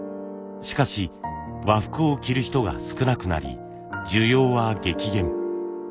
しかし和服を着る人が少なくなり需要は激減。